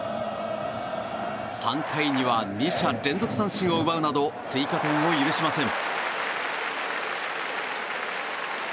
３回には２者連続三振を奪うなど追加点を許しません。